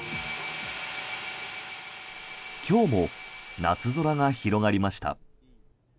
今日も夏空が広がりました。